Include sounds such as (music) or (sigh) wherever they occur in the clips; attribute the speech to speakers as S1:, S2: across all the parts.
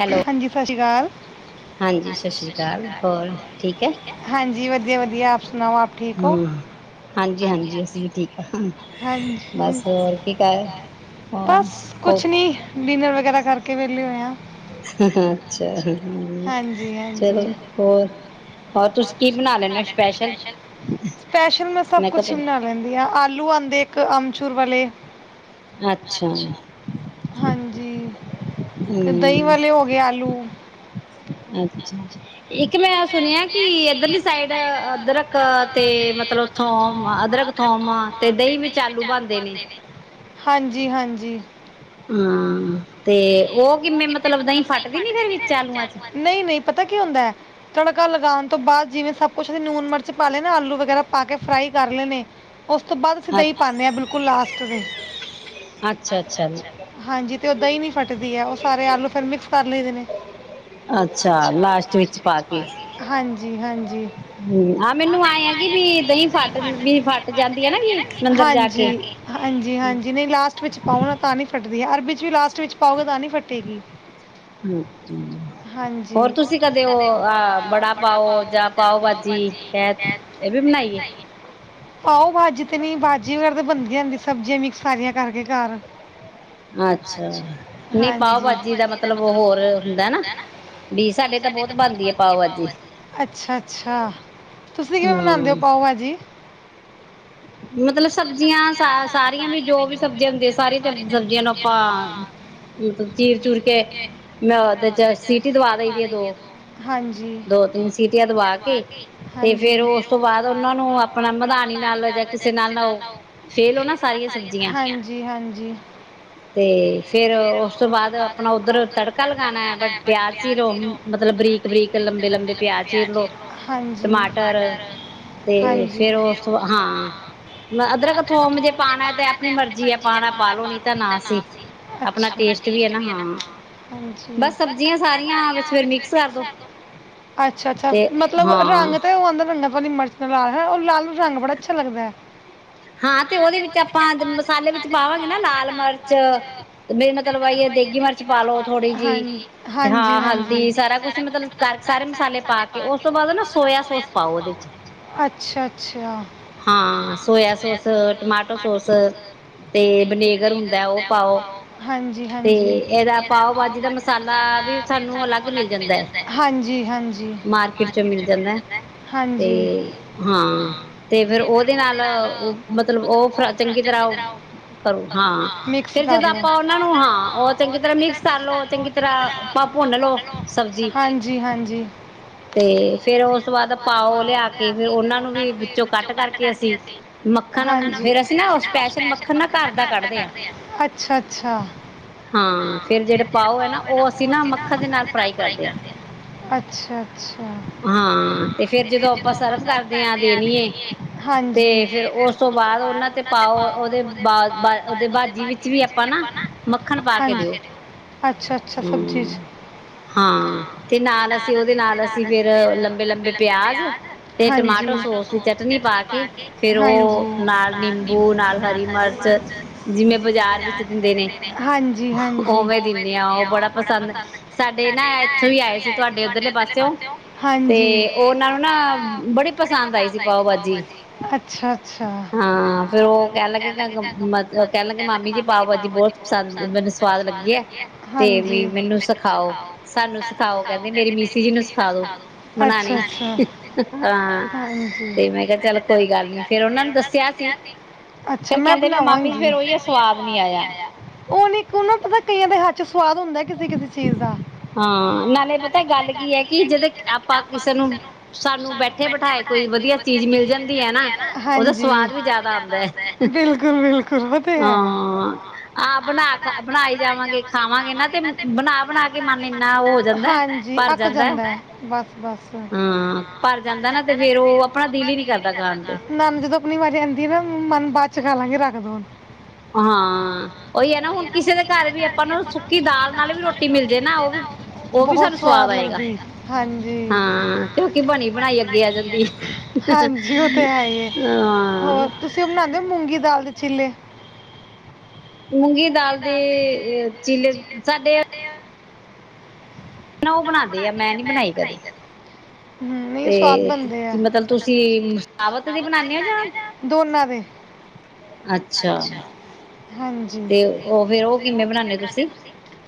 S1: Hello
S2: ਹਾਂਜੀ ਸਤਿ ਸ੍ਰੀ ਅਕਾਲ, ਹਾਂਜੀ ਸਤਿ ਸ੍ਰੀ ਅਕਾਲ ਹੋਰ ਠੀਕ ਹੈ। ਵਧੀਆ ਵਧੀਆ। ਸੁਣਾਓ ਆਪ ਠੀਕ ਹੋ,
S1: ਹਮ
S2: ਹਾਂਜੀ ਜੀ
S1: ਅਸੀਂ
S2: ਹਾਂਜੀ
S1: ਵੀ ਠੀਕ ਹਾਂ
S2: ਹਾਂਜੀ, ਕੀ ਕਰ ਰਹੇ ਹੋ, ਬਸ
S1: ਹੋਰ
S2: ਕੁਜ ਨਈ ਡਿਨਰ ਵਗੈਰਾ ਕਰ ਰੀ। ਕੇ ਵਿਹਲੇ ਹੋਏ ਆ।
S1: ਅੱਛਾ ਚਲੋ ਹੋਰ?
S2: ਹੋਰ ਤੁਸੀਂ ਕੀ ਬਣਾ ਲੈਂਦੇ ਹੋ ਸਪੈਸ਼ਲ? ਸਪੈਸ਼ਲ ਮੈ ਸਭ
S1: ਮੈਂ
S2: ਕੁਜ ਬਣਾ
S1: ਕਿਹਾ
S2: ਲੈਂਦੀ ਆ, ਆਲੂ ਆਦੇ ਇਕ ਅਮਚੂਰ ਵਾਲੇ।
S1: ਅੱਛਾ ਹਮ
S2: ਤੇ ਦਹੀ ਵਾਲੇ ਹੋ ਗਏ ਆਲੂ।
S1: ਅੱਛਾ, ਇੱਕ ਮੈਂ ਆਂ ਸੁਨਿਆ। ਕਿ ਇੱਧਰਲੀ ਸਾਈਡ ਅਦਰਕ ਤੇ ਮਤਲਬ ਥੋਮ ਅਦਰਕ ਥੋਮ ਤੇ ਦਹੀਂ ਵਿਚ ਆਲੂ ਬਣਦੇ ਨੇ।
S2: ਜੀ ਹਾਂਜੀ।
S1: ਹਮ।
S2: ਕਿਲ ਫ
S1: ਨੀ ਫੇਰ ਵਿੱਚ ਆਲੂਆਂ ਚ
S2: ਨਹੀਂ ਨਹੀਂ ਪਤਾ ਕੀ ਹੁੰਦਾ (inaudible) ਤੜਕਾ ਲਗਾਉਣ ਤੋਂ ਬਾਅਦ, ਜਿਵੇਂ ਸਭ ਕੁਛ ਅਸੀਂ ਨੂਨ ਮਿਰਚ ਪਾ ਲੈਨਾ ਆਲੂ ਵਗੈਰਾ ਪਾ ਕੇ, ਫਰਾਈ ਕਰ ਲੈਨੇ ਉਸ ਤੋਂ ਬਾਅਦ ਅਸੀਂ ਦਹੀਂ ਪਾਨੇ ਆਂ, ਬਿਲਕੁਲ ਲਾਸਟ ਦੇ
S1: ਅੱਛਾ ਅੱਛਾ
S2: ਹਾਂਜੀ ਤੇ ਦ ਨਹੀਂ ਫੜਟ (inaudible) ਆ ਉਹ ਸਾਰੇ ਆਲੂ ਫੇਰ, ਮਿਕਸ ਕਰ ਲਏਦੇ ਨੇ
S1: ਅੱਛਾ ਲਾਸਟ ਵਿੱਚ
S2: ਹਾਂਜੀ-
S1: ਪਾ ਕੇ
S2: ਹਾਂਜੀ -ਹਾਂਜੀ-
S1: ਹਮ ਆਹ ਮੈਨੂੰ ਆਏ ਆ ਕਿ ਵੀ ਦਹੀਂ ਫੱਟ ਵੀ ਫੱਟ ਜਾਂਦੀ ਹੈ ਨਾ ਵੀ ਅੰਦਰ ਜਾ ਕੇ
S2: ਹਾਂਜੀ -ਹਾਂਜੀ ਨਹੀਂ ਲਾਸਟ ਵਿਚ ਪਾਣਾ ਤਾਂ ਨੀ (inaudible) ਕੱਰਦੀ ਹੈ ਅਰ ਵਿੱਚ ਵੀ ਲਾਸਟ ਵਿੱਚ (inaudible) ਪਾਓਗੇ ਤਾਂ ਨੀ ਫਟੇਗੀ ਹਾਂਜੀ
S1: ਹੋਰ ਤੁਸੀਂ ਕਦੇ ਉਹ ਅ ਬੜਾ
S2: ਕਦੇਾਓ
S1: ਪਾਓ ਜਾਂ ਪਾਓ ਭਾਜੀ ਹੈ ਇਹ ਵੀ ਬਣਾਈਏ
S2: ਪਾਓ ਭਜੀ (inaudible) ਤੇ ਨਹੀਂ ਭਾਜੀ ਵਗੈਰਾ ਤਾਂ ਬਣਦੀ ਜਾਂਦੀ ਸਬਜ਼ੀਆਂ ਮਿਕਸ ਸਾਰੀਆਂ ਕਰਕੇ ਘਾਰ
S1: ਅੱਛਾ। ਨਹੀਂ
S2: ਹਾਂਜੀ
S1: ਪਾਓ
S2: ਦਾ
S1: ਭਾਜੀ ਮਤਲਬ ਹੋਰ ਹੁੰਦਾ ਨਾ ਵੀ ਸਾਡੇ ਤਾਂ ਬਹੁਤ ਬਣਦੀ ਹੈ ਪਾਓ ਭਾਜੀ
S2: ਹ ਅਛਾ -ਅਛਾ ਤੁਸੀਂ ਕਿਵੇਂ ਬਨਾਉਂਦੇ ਹੋ
S1: ਹਮ
S2: ਪਾਓ - ਭਾਜੀ
S1: ਮਤਲਬ, ਸਬਜ਼ੀਆਂ ਸਾਰੀਆਂ ਵੀ ਜੋ ਵੀ ਸਬਜ਼ੀਆਂ ਹੁੰਦੀ ਸਾਰੀਆਂ ਸਬਜ਼ੀਆਂ ਨੂੰ ਆਪਾਂ ਮਤਲਬ ਚੀਰ ਚੂੂਰ ਕੇ ਮੈਂ ਉਹਦੇ ਚ ਸੀਟੀ ਦਵਾ ਦਈ ਦੀ ਹੈ, ਦੋ
S2: ਹਾਂਜੀ
S1: -ਦੋ ਤਿੰਨ ਸੀਟੀਆਂ ਦਵਾ ਕੇ ਤੇ,
S2: ਹਾਂਜੀ
S1: ਫੇਰ ਉਸ ਤੋਂ ਬਾਅਦ ਉਹਨਾਂ ਨੂੰ ਆਪਣਾ ਮਧਾਨੀ ਨਾਲ ਕਿਸੇ ਨਾਲ ਨਾ ਉਹ ਫੇ ਲੋ ਨਾ ਸਾਰੀਆਂ ਸਬਜ਼ੀਆਂ
S2: ਹਾਂਜੀ ਹਾਂਜੀ
S1: ਤੇ ਫੇਰ (inaudible) ਫਿਰ ਉਸ ਤੋਂ ਬਾਅਦ ਆਪਣਾ ਉੱਧਰ ਤੜਕਾ ਲਗਾਉਣਾ ਹੈ। ਪਿਆਜ਼ ਚੀਰੋ ਮਤਲਬ ਬਰੀਕ -ਬਰੀਕ ਲੰਬੇ- ਲੰਬੇ ਪਿਆਜ਼ ਚੀਰ ਲੋ,
S2: ਹਾਂਜੀ
S1: ਟਮਾਟਰ ਤੇ
S2: ਹਾਂਜੀ
S1: ਫਿਰ ਉਸ ਤੋਂ ਬਾ ਹਾਂ ਅਦਰਕ ਥੋਮ ਜੇ ਪਾਉਣਾ ਤੇ, ਆਪਣੀ ਮਰਜ਼ੀ ਐ, ਪਾਉਣਾ ਪਾਲੋ ਨੀ ਤਾਂ ਨਾਸੀ ਬਸ ਸਬਜ਼ੀਆਂ ਸਾਰੀਆਂ ਵਿੱਚ ਫਿਰ ਮਿਕਸ ਕਰ ਦੋ
S2: ਅੱਛਾ -ਅਛਾ
S1: ਤੇ
S2: ਮਤਲਬ
S1: ਹਾਂ
S2: ਰੰਗ ਤੇ ਰ ਮਚ (inaudible) ਲ ਲਾਲਹੈ। ਉਹ ਲਾਲੂ ਰੰਗ ਬੜਾ ਅੱਛਾ ਲੱਗਦਾ ਹੈ
S1: ਹਾਂ ਤੇ ਉਹਦੇ ਵਿੱਚ ਆਪਾਂ ਮਸਾਲੇ ਵਿੱਚ ਪਾਵਾਂਗੇ ਨਾ, ਲਾਲ ਮਿਰਚ ਵੀ ਮਤਲਬ ਆਈ ਦੇਗੀ ਮਿਰਚ ਪਾ ਲਓ ਥੋੜ੍ਹੀ ਜਿਹੀ,
S2: ਹਾਂਜੀ ਹਾਂਜੀ
S1: ਹਾਂ
S2: ਹਾਂਜੀ
S1: ਹਲਦੀ ਸਾਰਾ ਕੁਛ ਮਤਲਬ ਕਰਕ ਸਾਰੇ ਮਸਾਲੇ ਪਾ ਕੇ, ਉਸ ਤੋਂ ਬਾਅਦ ਨਾ ਸੋਇਆ ਸੋਸ ਪਾਓ ਉਹਦੇ ਚ
S2: ਅੱਛਾ ਅੱਛਾ
S1: ਹਾਂ ਸੋਇਆ ਸੋਸ, ਟਮਾਟੋ ਸੋਸ, ਤੇ ਵਨੇਗਰ ਹੁੰਦਾ ਉਹ ਪਾਓ
S2: ਹਾਂਜੀ -ਹਾਂਜੀ ਇਹਦਾ ਪਾਓ ਭਜੀ ਦਾ ਮਸਾਲਾ ਵੀ, ਸਾਨੂੰ ਅਲਗ ਮਿਲ ਜਾਂਦਾ ਹੈ। ਹਾਂਜੀ -ਹਾਂਜੀ
S1: ਮਾਰਕੀਟ ਚ ਮਿਲ ਜਾਂਦਾ ਤੇ
S2: ਹਾਂਜੀ
S1: ਹਾਂ, ਤੇ ਫਿਰ ਉਹਦੇ ਨਾਲ ਉਹ ਮਤਲਬ ਉਹ ਫ ਚੰਗੀ ਤਰ੍ਹਾਂ ਕਰੋ ਹਾਂ
S2: ਮਿਕਸ
S1: ਫੇਰ
S2: ਕਰ
S1: ਜਦੋਂ
S2: ਲਓ
S1: ਆਪਾਂ ਉਹਨਾਂ ਨੂੰ ਹਾਂ ਉਹ ਚੰਗੀ ਤਰ੍ਹਾਂ ਮਿਕਸ ਕਰ ਲੋ ਚੰਗੀ ਤਰ੍ਹਾਂ ਆਪਾਂ ਭੁੰਨ ਲੋ ਸਬਜ਼ੀ
S2: ਹਾਂਜੀ ਹਾਂਜੀ
S1: ਤੇ ਫੇਿਰ ਉਸ ਤੋਂ ਬਾਅਦ ਪਾਓ ਲਿਆ ਕੇ ਫਿਰ ਉਹਨਾਂ ਨੂੰ ਵੀ ਵਿੱਚੋਂ ਕੱਟ ਕਰਕੇ ਅਸੀਂ ਮੱਖਣ ਫੇਰ ਅਸੀਂ ਨਾ ਸਪੈਸ਼ਲ ਮੱਖਣ ਘਰ ਦਾ ਕੱਢਦੇ ਹਾਂ।
S2: ਅੱਛਾ ਅੱਛਾ
S1: ਹਾਂ ਫੇਿਰ ਜਿਹੜੇ ਪਾਓ ਹੈ। ਨਾ ਉਹ ਅਸੀਂ ਨਾ ਮੱਖਣ ਦੇ ਨਾਲ ਫਰਾਈ ਕਰਦੇ ਹਾਂ।
S2: ਅੱਛਾ ਅੱਛਾ
S1: ਹਾਂ ਤੇ ਫੇਰ ਜਦੋਂ ਆਪਾਂ ਸਰਵ ਕਰਦੇ ਹਾਂ ਦੇਣੀਏ ਤੇ
S2: ਹਾਂਜੀ
S1: ਫੇਰ ਉਸ ਤੋਂ ਬਾਅਦ ਉਹਨਾਂ ਤੇ ਪਾਓ ਉਹਦੇ ਉਹਦੇ ਬਾਾਜੀ ਵਿੱਚ ਵੀ ਆਪਾਂ ਨਾ ਮੱਖਣ ਪਾ ਕੇ
S2: ਹਾਂਜੀ।
S1: ਦਿਓ
S2: ਦਿਓ ਅੱਛਾ ਅੱਛਾ
S1: ਹੂ
S2: ਸਬਜੀ ਚ
S1: ਹਾਂ ਤੇ ਨਾਲ ਅਸੀਂ ਉਹਦੇ ਨਾਲ ਅਸੀ ਅ ਫੇਿਰ ਲੰਬੇ ਲੰਬੇ ਪਿਆਜ ਤੇ ਟਮਾਟੋ ਸੋਸ ਦੀ ਚਟਨੀ ਪਾ ਕੇ ਫੇਰ ਉਹ ਨਾਲ ਨਿੰਬੂ ਨਾਲ ਹਰੀ ਮਿਰਚ ਜਿਵੇਂਜ ਵਿੱਚ ਦਿੰਦੇ ਨੇ
S2: ਹਾਂਜੀ ਹਾਂਜੀ
S1: ਉਓਵੇਂ ਦਿੰਦੇ ਆ ਉਹ ਬੜਾ ਪਸੰਦ ਸਾਡੇ ਨਾ ਇੱਥੋਂ ਵੀ ਆਏ ਸੀ ਤੁਹਾਡੇ ਉੱਧਰਲੇ ਪਾਸਿਓ
S2: ਹਾਂਜੀ ਨੂੰ ਨਾ ਬੜੀ ਪਸੰਦ ਆਈ ਸੀ ਬਾਾ
S1: ਫੇਰ
S2: ਹਾਂ ਫਿਰ
S1: ਕਹਿਣ
S2: ਉਹ
S1: ਲੱਗੇ
S2: ਕਹਿ ਲ ਕ ਬਹੁਤਦ
S1: ਕਹਿਣ ਲੱਗੇ ਮਾਮੀ ਜੀ ਪਾਓ ਭਾਜੀ ਬਹੁਤ ਪਸੰਦ ਮੈਨੂੰ ਸਵਾਦ ਲੱਗੀ ਹੈ
S2: ਹ
S1: ਤੇ ਵੀ
S2: ਮੈਨੂੰ
S1: ਸਿਖਾਓ
S2: ਸਖਾਓ ਸਾਨੂੰ ਸਿਖਾਓ ਕਹਿੰਦੇ ਮੇਰੀ ਮੀ ਜੀ
S1: ਬਣਾ ਹਾਂ
S2: ਹਾਂਜੀ
S1: ਤੇ ਮੈਂ ਕਿਹਾ ਚੱਲ ਕੋਈ ਗੱਲ ਨ ਫੇਰ ਉਹਨਾ ਨੂੰ ਦੱਸਿਆ ਸੀ
S2: ਅੱਛਾ
S1: ਫੇਰ
S2: ਮੈਂ
S1: ਕਹਿੰਦੇ ਵੀ ਮਾਮੀ
S2: ਬਣਾਵਾਂਗੀ
S1: ਫੇਰ ਉਹੀ ਹੈ ਸਵਾਦ ਨ ਆਇਆ
S2: ਉਹ ਨਹੀਂ ਕੋ ਨਾ ਪਤਾ ਕਈਆਂ ਦੇ ਹੱ ਚ ਸਵਾਦ ਹੁੰਦਾ ਕਿਸੇ ਕਿਸੇ ਚੀਜ਼ ਦਾ ਹਾਂ
S1: ਹਾਂ
S2: ਨਾਲੇ ਪਤਾ ਗੱਲ
S1: ਹੈ
S2: ਕੀ
S1: ਕਿ
S2: ਆ
S1: ਜਦ ਆਪਾਂ ਨੂੰ
S2: ਕਿਸੇ
S1: ਸਾਨੂੰ
S2: ਸਾਨ ਬੈਠੇ
S1: ਬਿਠਾਏ
S2: ਬਠ
S1: ਕੋਈ
S2: ਕੋ
S1: ਵਧੀਆ
S2: ਵਆ
S1: ਚੀਜ਼
S2: ਚੀ
S1: ਮਿਲ
S2: ਮ
S1: ਜਾਂਦੀ ਹੈ ਨਾ
S2: ਜਾਂ
S1: ਉਹਦਾ
S2: ਹ
S1: ਸਵਾਦ ਵੀ ਜ਼ਿਆਦਾ ਆਉਂਦਾ ਹੈ
S2: ਸਦ ਵੀ ਬਕੁ ਬੁ
S1: ਹਾਂ ਆਹ ਬਣਾ ਖ ਬਣਾਈ ਜਾਵਾਂਗੇ ਖਾਵਾਂਗੇ ਨਾ ਤੇ ਬਣਾ ਬਣਾ ਕੇ ਇੰਨਾ ਹੋ ਜਾਂਦਾ ਭਰ ਜਾਂਦਾ
S2: (unintelligible) ਬ ਨ
S1: ਹਾਂ ਭਰ ਜਾਂਦਾ ਨਾ ਤੇ ਫੇਰ ਉਹ ਆਪਣਾ ਦਿਲ ਹੀ ਨੀ ਕਰਦਾ ਖਾਣ ਤੇ
S2: ਜਦੋਂ ਆਪ ਮਾਰੀ ਆਂਦੀ ਨਾ ਮਨ ਬਾਦ ਸਿਖਾ ਲਾਂਗੇ ਰੱਖ ਦੋ ਹੁਣ
S1: ਹਾਂ ਉਹੀ ਹੈ ਨਾ ਹੁਣ ਕਿਸੇ ਦੇ ਘਰ ਵੀ ਆਪਾਂ ਨੂੰ ਸੁੱਕੀ ਦਾਲ ਨਾਲ ਵੀ ਰੋਟੀ ਮਿਲ ਜਾੇ ਨਾ ਉਹ ਵੀ ਉਹ ਵੀ
S2: ਬਹੁਤ
S1: ਸਾਨੂੰ ਸਵਾਦ ਆਏਗਾ
S2: ਲੱਗਦੀ ਹਾਂਜੀ
S1: ਹਾਂ ਤੇ ਉਹਕ ਬਣੀ ਬਣਾਈ ਅੱਗੇ ਆ ਜਾਂਦੀ
S2: ਹਾਂਜੀ ਉਹ ਤੇ ਹੈ ਹੀ ਹੈ
S1: ਹਾਂ
S2: ਚਿਲੇ
S1: ਮੂੰਗੀ ਦਾਲ ਦੇ ਚੀਲੇ ਸਾਡੇ ਨਾ ਉਹ ਬਣਾਉਂਦੇ ਆ ਮੈਂ ਨੀ ਬਣਾਈ ਕਦੇ ਤੇ
S2: ਸਵਾਦ ਬਣ
S1: ਮਤਲਬ ਤੁਸੀਂ ਸਾਬਤ ਦੀ ਬਣਾਉਦੇ ਹੋ ਜਾਂ ਅੱਛਾ
S2: ਆੋ ਹਾਂਜੀ
S1: ਤੇ ਉਹ ਫੇਰ ਉਹ ਕਿਵੇਂ ਬਣਾਉਦੇ ਹੋ ਤੁਸੀਂ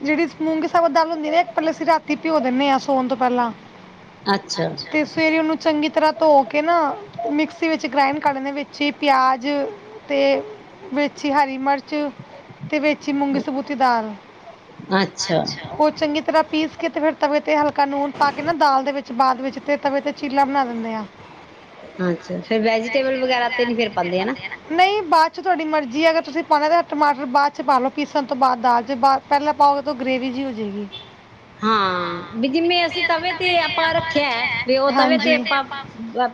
S2: ਜਿਹੜੀ ਮੂੰਗੇ ਸਾ ਦਾਲ ਇੱਕ ਪਹਿਲੇ ਅਸੀਂ ਰਾਤੀ ਭਿਓ ਦਿੰਦੇ ਹਾਂ ਸੋਣ ਤੋਂ ਪਹਿਲਾਂ
S1: ਅੱਛਾ
S2: ਤੇ ਸਵੇਰੇ ਉਹਨੂੰ ਚੰਗੀ ਤਰ੍ਹਾਂ ਧੋ ਕੇ ਨਾ ਮਿਕਸੀ ਵਿੱਚ ਗ੍ਰੈਂੰਡ ਕਰਦੇ ਵਿੱਚ ਹੀ ਪਿਆਜ਼ ਅਤੇ ਵਿੱਚ ਅੱਛੀ ਹਰੀ ਮਿਰਚ ਤੇ ਵੇਚੀ ਮੂੰਗੀ ਸਬੂਤੀ ਦਾਲ
S1: ਅੱਛਾ
S2: ਉਹ ਚੰਗੀ ਤਰ੍ਹਾਂ ਪੀਸ ਕੇ ਤੇ ਫੇਿਰ ਤਵੇ ਤੇਲ (unintelligible) ਪਾ ਕੇ ਨਾ ਦਾਲ ਦੇ ਵਿਚ ਬਾਦ ਵਿਚ ਤ ਤੇ ਚੀਲਾ ਬਣਾ ਦਦੇ ਆ
S1: ਅੱਛਾ ਫੇਰ ਵੈਜੀਟੇਬਲ ਵਗੈਰਾ ਤੇ ਨੀ ਫੇਰ ਪਾਉਂਦੇ ਹਨਾ
S2: ਬਾਦ ਚ ਤੁਡੀ ਮਰ ਜੀ ਅਗਰ ਤੁਸੀਂ ਪਾਉਣਾ ਤਾਂ ਟਮਾਟਰ ਬਾਅਦ ਚ ਪਾ ਲਓ ਪੀਸਣ ਤੋਂ ਬਾਅਦ ਦਾਲ ਚ ਪਹਿਲਾਂ ਪਾਓਗੇ ਤਾਂ ਉਹ ਗ੍ਰੇਵ ਜਿਹੀ ਹੋ ਜਾਵੇਗੀ
S1: ਹਾਂ ਬ ਜਿਵੇਂ ਅਸੀਂ ਤਵੇ ਤੇ ਆਪਾਂ ਰੱਖਿਆ ਵੀ ਉਹ ਤਵੇ
S2: ਹਾਂਜੀ।
S1: ਤੇ ਆਪਾਂ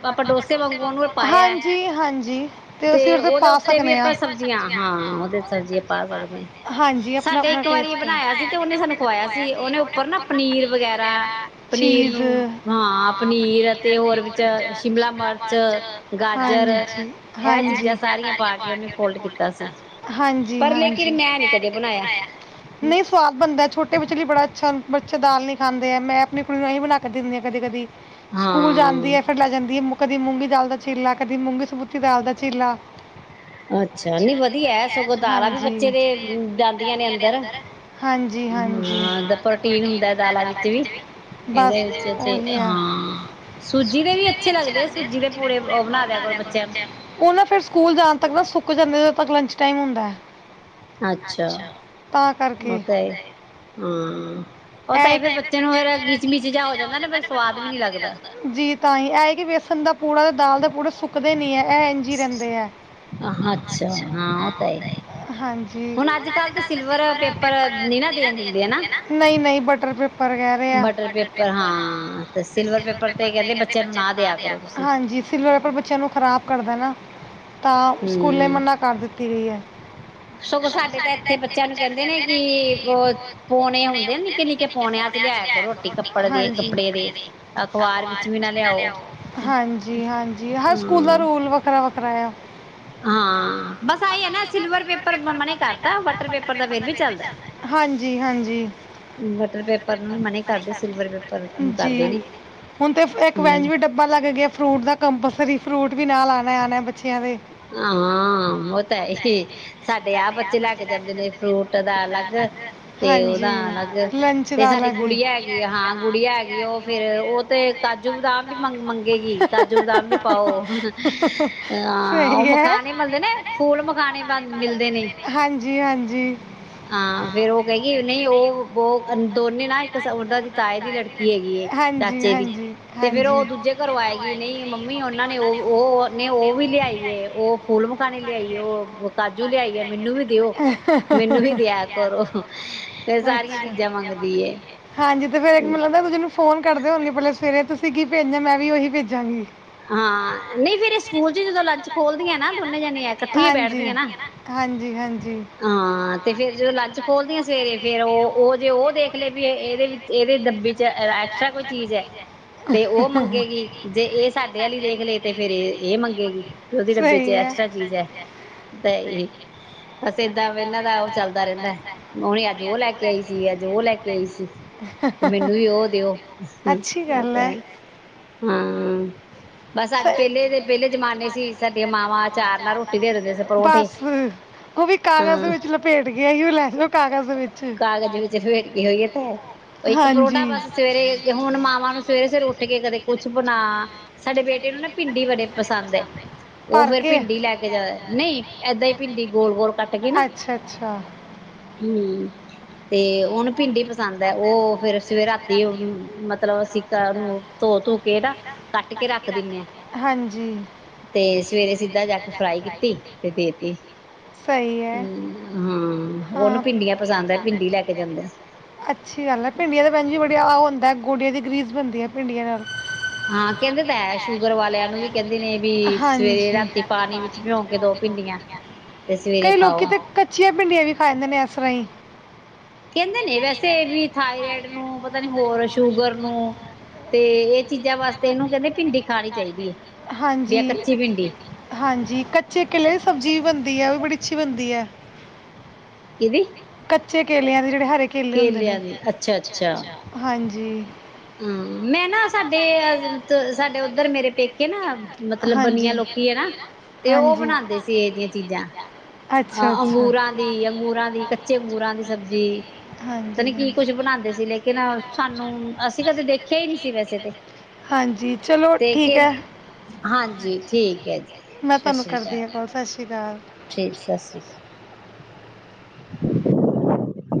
S1: ਆਪਾਂ ਡੋਸੇ ਵਾਂਗੂ ਉਹਨੂੰ ਪਾਇਆ
S2: ਹਾਂਜੀ ਤੇ ਅਸੀਂ ਉਹਦੇ ਪਾ
S1: ਉੱਤੇ ਵੀ
S2: ਸਕਦੇ ਹਾਂ
S1: ਆਪਾਂ
S2: ਸਬ
S1: ਸਬਜ਼ੀਆਂ ਹਾਂ ਉਹਦੇ ਸਬਜ਼ੀਆਂ ਪਾ ਸਕਦੇ ਹਾਂ
S2: ਹਾਂਜੀ ਆਪਣਾ
S1: ਸਾਡੇ
S2: ਆਪਣਾ
S1: ਇੱਕ
S2: ਟਸ
S1: ਵਾਰੀ ਬਣਾਇਆ
S2: ਬਣਾਯਾ
S1: ਤੇ ਉਹਨੇ
S2: ਸੀ ਓਨੇ
S1: ਸਾਨੂੰ ਖਵਾਇਆ
S2: ਸਾਨੂਯਾ ਸੀ
S1: ਉਹਨੇ
S2: ਓਨੇ
S1: ਉੱਪਰ
S2: ਉਪਰ ਨਾ ਪਨੀਰ
S1: ਵਗੈਰਾ
S2: ਵਗਰਾ
S1: ਪਨੀਰ
S2: ਚੀਜ਼
S1: ਨੂੰ
S2: ਹਾਂ ਪਨੀਰ ਅਤੇ ਹੋਰ
S1: ਵਿੱਚ
S2: ਵਿਚ ਸ਼ਿਮਲਾ
S1: ਮਿਰਚ
S2: ਮਰਚ
S1: ਗਾਜਰ
S2: ਹ
S1: ਇਹ ਚੀਜ਼ਾਂ ਸਾਰੀਆਂ ਪਾ ਕੇ ਉਹਨੇ ਫੋਲਡ ਕੀਤਾ ਸੀ ਪਰ
S2: ਹਾਂਜੀ-ਹਾਂਜੀ
S1: ਲੇਕਿਨ ਮੈਂ ਨੀ ਕਦੇ ਬਣਾਇਆ
S2: ਨਹੀਂ ਸਵਾਦ ਬਣਦਾ ਛੋਟੇ ਵਿਚਲੀ ਬੜਾ ਅੱਛਾ ਬੱਚਾ ਦਾਲ ਨਹੀਂ ਖਾਂਦੇ ਐ ਮੈਂ ਆਪਣੀ ਕੁੜੀ ਨੂੰ ਇਹੀ ਬਣਾ ਕੇ ਦਿੰਨੀ ਆ ਕਦੇ ਕਦੀ ਸਕੂਲ ਜਾਂਦੀ
S1: ਹਾਂ
S2: ਐ ਫਿਰ ਲੈ ਜਾਂਦੀ ਐ ਕਦੀ ਮੂੰਗੀ ਦਾਲ ਦਾ ਝੀਲਾ ਕਦੀ ਮੂੰਗੀ ਸਬੂਤੀ ਦਾਲ ਦਾ ਝੀਲਾ
S1: ਅੱਛਾ ਨੀ ਵਧੀਆ ਸਗੋਂ ਦਾਲਾਂ ਵੀ ਬੱਚੇ ਦੇ ਜਾਂਦੀਆਂ ਨੇ ਅੰਦਰ
S2: ਹਾਂਜੀ ਹਾਂਜੀ
S1: ਹਾਂ ਪ੍ਰੋਟੀਨ ਹੁੰਦਾ ਦਾਲਾਂ ਵਿੱਚ ਵੀ
S2: ਹਾਂਜੀ ਬਸ
S1: ਇਹਦੇ ਵਿੱਚ ਤੇ
S2: ਓਹੀ ਐ
S1: ਹਾਂ ਸੂਜੀ ਦੇ ਵੀ ਅੱਛੇ ਲੱਗਦੇ ਸੂਜੀ ਦੇ ਪੂੜੇ ਉਹ ਬਣਾ ਦਿਆ ਕਰੋ ਬੱਚਿਆਂ ਨੂੰ
S2: ਓ ਨ ਫਿਰ ਸਕੂਲ (unintelligible) (unintelligible) ਜਾਂਦੇ ਉਦੋਂ ਤੱਕ ਲੰਚ ਟਾਈਮ ਹੁੰਦਾ
S1: ਅੱਛਾ
S2: ਤਾਂ ਕਰਕੇ
S1: ਉਹ ਤਾਂ ਹੈ। ਹਾਂ ਉਹ ਤਾਂ
S2: ਐ
S1: ਹੈ ਫੇਰ ਬੱਚੇ ਨੂੰ ਫੇਰ ਗਿਚ ਮਿਚ ਜਾ ਹੋ ਜਾਂਦਾ ਨਾ ਫੇਰ ਸਵਾਦ ਵੀ ਨੀ ਲੱਗਦਾ।
S2: ਜੀ ਤਾਂ ਹੀ ਵੇਸਣ ਦਾ ਪੂੜਾ ਤੇ ਦਾਲ ਦੇ ਪੂੜੇ ਸੁੱਕਦੇ ਨੀ ਐ ਇਹ ਇੰਝੀ ਰਹਿੰਦੇ ਐ
S1: ਅੱਛਾ ਹਾਂ ਉਹ ਤਾਂ ਹੈ
S2: ਹਾਂਜੀ
S1: ਹੁਣ ਅੱਜ ਕੱਲ੍ਹ ਤਾਂ ਸਿਲਵਰ ਪੇਪਰ ਨੀ ਨਾ ਦੇਣ ਦਿੰਦੇ ਹਨਾ।
S2: ਨਈ-ਨਈ ਬਟਰ ਪੇਪਰ ਕਹਿ ਰੇ ਆ
S1: ਬਟਰ ਪੇਪਰ ਹਾਂ ਤੇ ਸਿਲਵਰ ਪੇਪਰ ਤੇ ਕਹਿੰਦੇ ਬੱਚਿਆਂ ਨੂੰ ਨਾ ਦਿਆ ਕਰੋ ਤੁਸੀਂ।
S2: ਹਾਂਜੀ ਸਿਲਵਰ ਪੇਪਰ ਬੱਚਿਆਂ ਨੂੰ ਖਰਾਬ ਕਰਦਾ ਨਾ ਤਾਂ ਸਕੂਲੇ
S1: ਹੂੰ
S2: ਮਨਾ ਕਰ ਦਿੱਤੀ ਗਈ ਐ ਸਾਡੇ ਤਾਂ ਏਥੇ ਬੱਚਿਆਂ ਨੂੰ ਕਹਿੰਦੇ ਨੇੋ ਕਿ ਪੋਨੇ ਹੁੰਦੇ ਆ ਨਿੱਕੇ ਨਿੱਕੇ ਪੋਨਿਆ ਚ ਲ਼ੇਆਇਆ ਕਰੋ ਰੋਟੀ ਕਪੜੇ ਦੇ
S1: ਅਖ਼ਬਾਰ
S2: ਅਖਬਾਰ
S1: ਵਿੱਚ
S2: ਵਿਚ
S1: ਨਾ
S2: ਵੀ ਨ ਲਿਆਓ ਹਾਂਜੀ ਹਾਂਜੀ ਹ ਸਕੂਲ ਦਾ
S1: ਹਾਂ
S2: ਰੂਲ ਵੱਖਰਾ ਕਰਾਇਆ
S1: ਹਾਂ ਬਸ ਆਹੀ ਐ ਨਾ ਸਿਲਵਰ ਪੇਪਰ ਮਨਾ ਈ ਕਰਤਾ ਵਟਰ ਪੇਪਰ ਦਾ ਫਿਰ ਵੀ ਚੱਲਦਾ
S2: ਹਾਂਜੀ ਹਾਂਜੀ
S1: ਵਟਰ ਪੇਪਰ ਨੂੰ ਮਨਾ ਈ ਕਰਦੇ ਸਿਲਵਰ ਪੇਪਰ ਨੂੰ ਕਰਦੇ
S2: ਜੀ
S1: ਨੇ
S2: ਹੁਣ ਤੇ ਇੱਕ ਵੈਂਜ
S1: ਹੂੰ
S2: ਵੀ ਡੱਬਾ ਲੱਗ ਗਿਆ ਫਰੂਟ ਦਾ ਕੰਪਲਸਰੀ ਫਰੂਟ ਵੀ ਨਾਲ ਆਉਣਾ ਆਉਣਾ ਬੱਚਿਆਂ ਦੇ
S1: ਹਾਂ ਉਹ ਤਾਂ ਹੈ ਏ ਸਾਡੇ ਆਹ ਬੱਚੇ ਲੈ ਕੇ ਜਾਂਦੇ ਨੇ ਫਰੂਟ ਦਾ ਅਲੱਗ ਤੇ ਉਹਦਾ
S2: ਹਾਂਜੀ
S1: ਅਲੱਗ
S2: ਲੰਚ
S1: ਤੇ
S2: ਦਾ
S1: ਸਾਡੀ
S2: ਅਲੱਗ
S1: ਗੁੜੀਆ ਹੈਗੀ ਆ ਹਾਂ ਗੁੜੀਆ ਹੈਗੀ ਉਹ ਫੇਰ ਉਹ ਤੇ ਕਾਜੂ ਬਦਾਮ ਵੀ ਮੰਗ ਮੰਗੇਗੀ ਕਾਜੂ ਬਦਾਮ ਵੀ ਪਾਓ ਹਾਂ
S2: ਸਹੀ ਹੈ
S1: (unintelligible) ਮਿਲਦੇ ਨੇ ਫੂਲ ਮਖਾਣੇ ਬੰਦ ਮਿਲਦੇ ਨੇ
S2: ਜੀ ਹਾਂਜੀ
S1: ਹਾਂ ਫੇਰ ਉਹ ਕਹਿ ਗਈ ਨਹੀਂ ਓ ਵੋ ਦੋਨੇ ਨਾ ਇੱਕ ਉਹਨਾਂ ਦੀ ਤਾਏ ਦੀ ਲੜਕੀ ਹੈਗੀ ਏ
S2: ਹਾਂਜੀ
S1: ਚਾਚੇ ਦੀ
S2: ਹਾਂਜੀ
S1: ਤੇ ਫੇਰ
S2: ਹਾਂਜੀ
S1: ਉਹ ਦੂਜੇ ਘਰੋਂ ਆਏਗੀ ਨਹੀਂ ਮੰਮੀ ਉਹਨਾਂ ਨੇ ਓ ਓ ਫੂਲ ਮਖਾਨੇ ਲਿਆਈ ਓ ਕਾਜੂ ਲਿਆਈ ਆ ਮੈਨੂੰ ਵੀ ਦਿਓ ਮੈਨੂੰ ਵੀ ਦਿਆ ਕਰੋ ਫੇਰ ਸਾਰੀਆਂ ਚੀਜ਼ਾਂ ਮੰਗਦੀ ਏ
S2: ਫੇਰ ਇੱਕ ਮੈਨੂੰ ਲੱਗਦਾ ਇਕ ਦੂਜੇ ਨੂੰ ਫੋਨ ਕਰਦੇ ਹੋਣਗੇ ਪੈਲਾ ਸਵੇਰੇ ਤੁਸੀਂ ਕੀ ਭੇਜਣਾ ਮੈਂ ਵੀ ਉਹੀ ਭੇਜਾਂਗੀ
S1: ਹਾਂ ਨਹੀਂ ਫੇਰ ਇਹ ਸਕੂਲ ਚ ਜਦੋਂ ਲੰਚ ਖੋਲਦੀਆਂ ਨਾ ਦੋਨੇ ਜਾਣੇ ਇਕੱਠੀ
S2: ਹਾਂਜੀ।
S1: ਬੈਠਦੀਆਂ ਨਾ
S2: (unintelligible)
S1: ਹਾਂ ਤੇ ਫੇਰ ਜਦੋਂ ਲੰਚ ਖੋਲਦੀਆਂ ਸਵੇਰੇ ਫੇਰ ਉਹ ਉਹ ਜੇ ਉਹ ਦੇਖ ਲਏ ਵੀ ਇਹਦੇ ਇਹਦੇ ਦੱਬੀ ਚ ਐਕਸਟਰਾ ਕੋਈ ਚੀਜ਼ ਐ ਤੇ ਉਹ ਮੰਗੇਗੀ ਜੇ ਇਹ ਸਾਡੇ ਵਾਲੀ ਦੇਖ ਲਏ ਤੇ ਫੇਰ ਇਹ ਮੰਗੇਗੀ ਡੱਬੇ ਚ
S2: ਸਹੀ ਹੈ
S1: ਐਕਸਟ੍ਰਰਾ ਚੀਜ਼ ਹੈ ਤਾਂ ਏ ਬਸ ਏਦਾਂ ਇਹਨਾਂ ਦਾ ਉਹ ਚੱਲਦਾ ਰਹਿੰਦਾ ਉਹਨ ਅੱਜ ਉਹ ਲੈ ਕੇ ਆਈ ਸੀ ਅੱਜ ਉਹ ਲੈ ਕੇ ਆਈ ਸੀ ਤੇ ਮੈਨੂੰ ਵੀ ਉਹ ਦਿਓ
S2: ਅੱਛੀ ਗੱਲ ਹੈ
S1: ਤੇ ਹਾਂ ਬਸ ਅੱਜ
S2: ਸਹੀ
S1: ਪਹਿਲੇ ਦੇ ਪਹਿਲੇ ਜਮਾਨੇ ਸੀ ਸਾਡੇ ਮਾਵਾਂ ਚਾਰ ਨਾਲ ਰੋਟੀ ਦੇ ਦਿੰਦੇ ਸੀ ਪਰੌਂਠੀ
S2: ਬਸ ਉਹ ਵੀ ਕਾਗਜ਼ ਦੇ ਵਿੱਚ ਲਪੇਟ ਗਿਆ ਸੀ ਉਹ ਲੈ ਕਾਗਜ਼ ਵੀ
S1: ਕਾਗਜ਼ ਵਿੱਚ ਫੇਟ ਕੇ ਹੋਈ ਹੈ ਤਾਂ ਉਹ ਇੱਕ ਪਰੌਂਠਾ
S2: ਹਾਂਜੀ
S1: ਬਸ ਸਵੇਰੇ ਹੁਣ ਮਾਵਾਂ ਨੂੰ ਸਵੇਰੇ ਸਵੇਰੇ ਉੱਠ ਕੇ ਕਦੇ ਕੁੱਛ ਬਣਾ ਸਾਡੇ ਬੇਟੇ ਤੇ ਨਾ ਪਿੰਡੀ ਵੜੇ ਪਸੰਦ ਹੈ ਉਹ
S2: ਭਰ
S1: ਫੇਿਰ
S2: ਕੇ
S1: ਭਿੰਡੀ ਲੈ ਕੇ ਜਿਆਦਾ ਨਹੀਂ ਏਦਾਂ ਹੀ ਭਿੰਡੀ ਗੋਲ ਗੋਲ ਕੱਟ ਕੇ ਨਾ
S2: ਅੱਛਾ ਅੱਛਾ
S1: ਹਮ ਤੇ ਹੁਣ ਭਿੰਡੀ ਪਸੰਦ ਹੈ ਉਹ ਫੇਿਰ ਸਵੇ ਰਾਤੀ ਮਤਲਬ ਅਸੀਂ ਉਹਨੂੰ ਧੋ ਧੋ ਕੇ ਨਾ ਕੱਟ ਕੇ ਰੱਖ ਦਿੰਦੇ ਹਾਂ
S2: ਹਾਂਜੀ
S1: ਤੇ ਸਵੇਰੇ ਸਿੱਧਾ ਜਾ ਕੇ ਫਰਾਈ ਕੀਤੀ ਤੇ ਦੇਤੀ
S2: ਸਹੀ ਹੈ
S1: ਹਮ ਹਾਂ ਉਹਨੂੰ
S2: ਹਾਂ
S1: ਭਿੰਡੀਆਂ ਪਿੰਡੀ ਲੈ ਕੇ ਜਾਂਦੇ
S2: ਅੱਛੀ ਗੱਲ ਹੈ ਭਿੰਡੀਆਂ ਦਾ ਭੈਣ ਜੀ ਬੜੀਆ ਹੁੰਦਾ ਗੋਡੀਆਂ ਦੀ ਗਰੀਸ ਬਣਦੀ ਹੈ ਭਿੰਡੀਆਂ ਨਾਲ
S1: ਹਾਂ ਕਹਿੰਦੇ ਤਾਂ ਸ਼ੂਗਰ ਵਾਲਿਆਂ ਨੂੰ ਵੀ ਕਹਿੰਦੇ ਨੇ ਵੀ ਸਵੇਰੇ
S2: ਹਾਂਜੀ
S1: ਰਾਤੀ ਪਾਣੀ ਵਿੱਚ ਭਿਉ ਕੇ ਦੋ ਭਿੰਡੀਆਂ ਤੇ ਸਵੇਰੇ
S2: ਕਈ ਲੋਕੀ
S1: ਖਾਓ
S2: ਤੇ ਕੱਚੀਆਂ ਭਿੰਡੀਆਂ ਵੀ ਖਾਦੇ ਨੇ ਇਸ ਰਾਹੀ
S1: ਕਹਿੰਦੇ ਨੇ ਵੈਸੇ ਵੀ ਥਾਇਰੋਇਡ ਨੂੰ ਪਤਾ ਨੀ ਹੋਰ ਸ਼ੂਗਰ ਨੂੰ ਤੇ ਇਹ ਚੀਜ਼ਾਂ ਵਾਸਤੇ ਇਹਨੂੰ ਕਹਿੰਦੇ ਭਿੰਡੀ ਖਾਣੀ ਚਾਹੀਦੀ ਹੈ ਵੀ
S2: ਹਾਂਜੀ
S1: ਆ ਕੱਚੀ ਭਿੰਡੀ
S2: ਹਾਂਜੀ ਕੱਚੇ ਕਿਲੇ ਦੀ ਸਬਜ਼ੀ ਵੀ ਬਣਦੀ ਹੈ ਉਹ ਵੀ ਬੜੀ ਅੱਛੀ ਬਣਦੀ ਹੈ
S1: (unintelligible)
S2: ਕੱਚੇ ਕੇਲਿਆਂ ਦੇ ਜਿਹੜੇ ਕੇਲੇ ਹੁੰਦੇ ਨੇ
S1: ਕੇਲਿਆਂ ਦੀ ਅੱਛਾ ਅੱਛਾ
S2: ਹਾਂਜੀ
S1: ਹਮ ਮੈਂ ਨਾ ਸਾਡੇ ਸਾਡੇ ਉੱਧਰ ਮੇਰੇ ਪੇਕੇ ਨਾ ਮਤਲਬ ਬਨੀਆਂ
S2: ਹਾਂਜੀ
S1: ਲੋਕੀ ਹੈ ਨਾ ਤੇ ਉਹ
S2: ਹਾਂਜੀ
S1: ਬਣਾਉਂਦੇ ਸੀ ਇਹਦੀਆਂ ਚੀਜ਼ਾਂ
S2: ਅੱਛਾ
S1: ਅ
S2: ਅੱਛਾ
S1: ਅੰਗੂਰਾਂ ਦੀ ਅੰਗੂਰਾਂ ਦੀ ਚੇਗੂਰਾਂ ਦੀ ਸਬਜ਼ੀ ਪਤਾ
S2: ਹਾਂਜੀ
S1: ਨੀ ਕੀ
S2: ਹਾਂਜੀ
S1: ਕੁਛ ਬਣਾਉਂਦੇ ਸੀ ਲੇਕਿਨ ਸਾਨੂੰ ਅਸੀਂ ਕਦੇ ਦੇਖਿਆ ਹੀ ਨਹੀਂ ਸੀ ਵੈਸੇ ਤੇ
S2: ਹਾਂਜੀ ਚਲੋ
S1: ਤੇ
S2: ਠੀਕ
S1: ਕੇ
S2: ਹੈ
S1: ਹਾਂਜੀ ਠੀਕ ਹੈ ਜੀ
S2: ਮੈਂ
S1: ਸਤਿ
S2: ਤੁਹਾਨੂੰ
S1: ਸ਼੍ਰੀ
S2: ਕਰਦੀ
S1: ਅਕਾਲ
S2: ਹਾਂ ਕੱਲ ਸੱਚ
S1: ਠੀਕ ਸਤਿ ਸ਼੍ਰੀ ਅਕਾਲ (unintelligible)